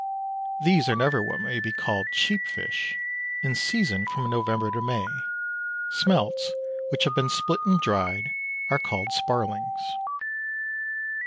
These are never what may be called cheap fish. In season from November to May. Smelts which have been split and dried are called sparlings.